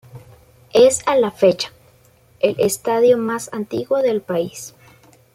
Es a la fecha, el estadio más antiguo del país.